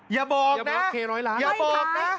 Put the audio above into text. อย่าบอกนะอย่าบอกนะ